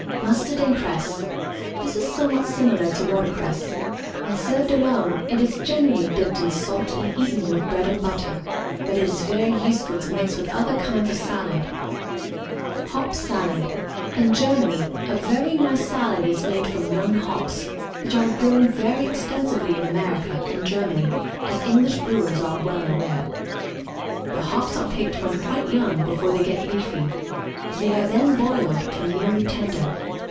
MUSTARD AND CRESS. This is somewhat similar to watercress. When served alone it is generally dipped in salt and eaten with bread and butter, but it is very useful to mix with other kinds of salad. HOP SALAD. In Germany a very nice salad is made from young hops, which are grown very extensively in America and Germany, as English brewers are well aware. The hops are picked when quite young, before they get leafy; they are then boiled till nearly tender.